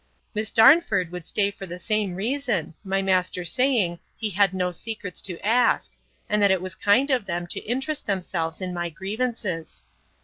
Miss Darnford would stay for the same reason; my master saying, He had no secrets to ask; and that it was kind of them to interest themselves in my grievances.